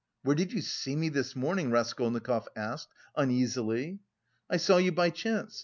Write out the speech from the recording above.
"Where did you see me this morning?" Raskolnikov asked uneasily. "I saw you by chance....